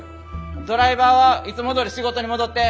ドライバーはいつもどおり仕事に戻って。